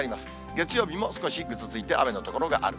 月曜日も少しぐずついて、雨の所がある。